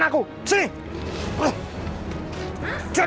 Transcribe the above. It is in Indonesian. aku akan menyesal